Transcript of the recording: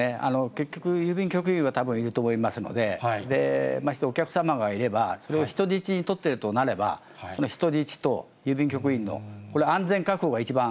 結局、郵便局員はたぶんいると思いますので、ましてお客様がいれば、それを人質に取ってるとなれば、その人質と郵便局員の安全確保が一番